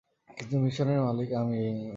কিন্তু মিশনের মালিক আমি!